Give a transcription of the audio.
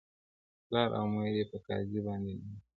پلار او مور یې په قاضي باندي نازېږي,